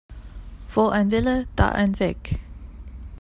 Wo ein Wille, da ein Weg.